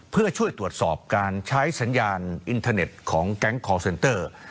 เพื่อช่วยตรวจสอบการใช้สัญญาณอินเทอร์เน็ตของแก๊งคอร์เซนเตอร์